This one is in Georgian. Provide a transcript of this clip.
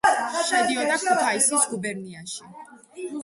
შედიოდა ქუთაისის გუბერნიაში.